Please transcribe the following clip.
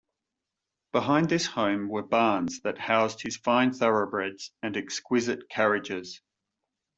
Behind this home were barns that housed his fine thoroughbreds and exquisite carriages.